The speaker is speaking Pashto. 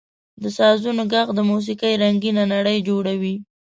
• د سازونو ږغ د موسیقۍ رنګینه نړۍ جوړوي.